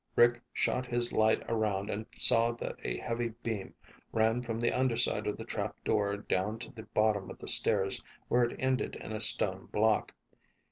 Rick shot his light around and saw that a heavy beam ran from the underside of the trap door down to the bottom of the stairs where it ended in a stone block.